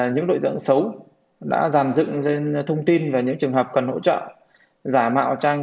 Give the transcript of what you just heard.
những đội dẫn xấu đã dàn dựng thông tin về những trường hợp cần hỗ trợ giả mạo trang